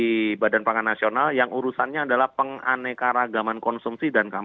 ada lagi satu deputi di badan pangan nasional yang urusannya adalah penganekaragaman konsumsi dan keamanan